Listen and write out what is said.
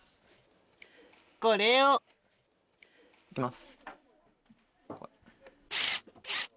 これを行きます。